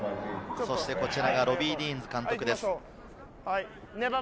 こちらはロビー・ディーンズ監督です。